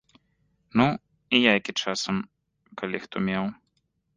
Ну, і яйкі часам, калі хто меў.